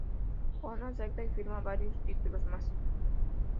Juan acepta y filma varios títulos más.